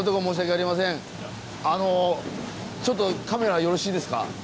あのちょっとカメラよろしいですか？